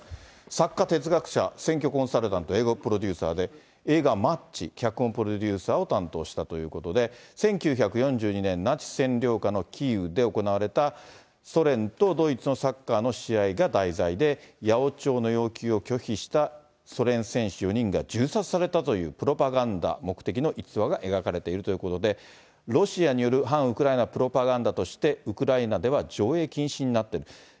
作家、哲学者、選挙コンサルタント、映画プロデューサーで、映画、マッチ、脚本、プロデューサーを担当したということで、１９４２年ナチス占領下のキーウで行われた、ソ連とドイツのサッカーの試合が題材で、八百長の要求を拒否したソ連選手４人が銃殺されたというプロパガンダ目的の逸話が描かれているということで、ロシアによる反ウクライナプロパガンダとして、ウクライナでは上映禁止になっていると。